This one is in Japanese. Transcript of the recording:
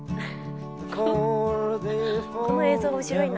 この映像が面白いな。